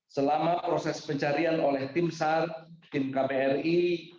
selama proses pencarian oleh tim sar tim kbri